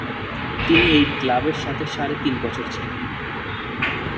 তিনি এই ক্লাবের সাথে সাড়ে তিন বছর ছিলেন।